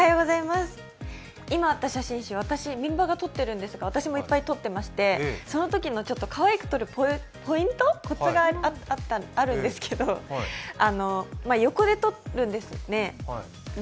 今あった写真集、私もいっぱい撮ってましてそのときのかわいく撮るポイントコツがあったんですけど横で撮るんですよね。